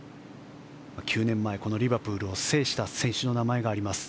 ９年前、このリバプールを制した選手の名前があります。